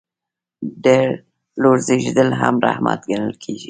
د لور زیږیدل هم رحمت ګڼل کیږي.